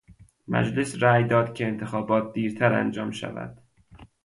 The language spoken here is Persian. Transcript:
مجلس رای داد که انتخابات دیرتر انجام شود.